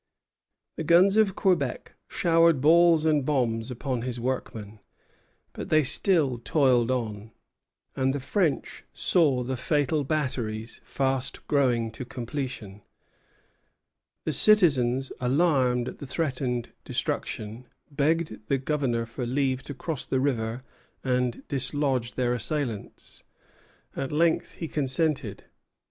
The guns of Quebec showered balls and bombs upon his workmen; but they still toiled on, and the French saw the fatal batteries fast growing to completion. The citizens, alarmed at the threatened destruction, begged the Governor for leave to cross the river and dislodge their assailants. At length he consented.